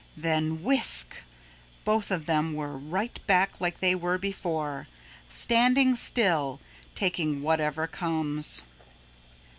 Then whisk! both of them were right back like they were before, standing still, taking whatever comes.